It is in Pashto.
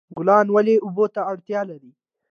ګلان ولې اوبو ته اړتیا لري؟